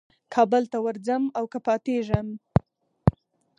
کابل ته ورځم او که پاتېږم.